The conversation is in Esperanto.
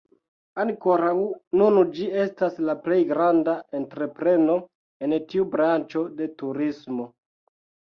Ankoraŭ nun ĝi estas la plej granda entrepreno en tiu branĉo de turismo.